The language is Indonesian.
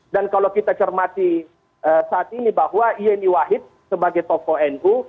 dan kalau kita cermati saat ini bahwa yeni wahid sebagai tokoh nu